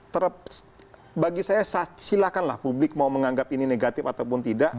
terus bagi saya silakanlah publik mau menganggap ini negatif ataupun tidak